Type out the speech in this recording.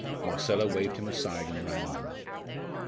Marcella waved him aside and ran on.